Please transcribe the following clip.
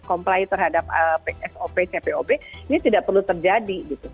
comply terhadap sop cpob ini tidak perlu terjadi gitu